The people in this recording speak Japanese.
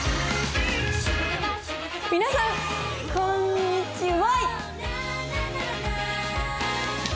皆さんこんにちＹ！